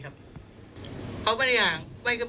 เขาไม่ได้ห่าง